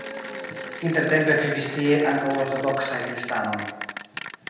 Intertempe vivis tie ankaŭ ortodoksaj kristanoj.